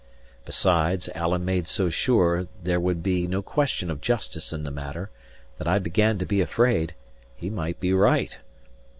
Besides, Alan made so sure there would be no question of justice in the matter, that I began to be afraid he might be right.